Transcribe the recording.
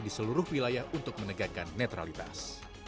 di seluruh wilayah untuk menegakkan netralitas